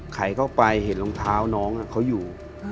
ไขเข้าไปเห็นรองเท้าน้องเขาอยู่